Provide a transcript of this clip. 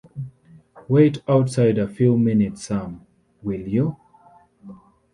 Wait outside a few minutes, Sam, will you?